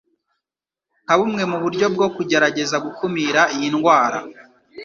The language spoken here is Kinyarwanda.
Nka bumwe mu buryo bwo kugerageza gukumira iyi ndwara,